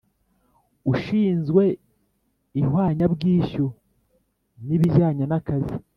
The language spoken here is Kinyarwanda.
Ushinzwe ihwanyabwishyu nibijyanye n’ akazi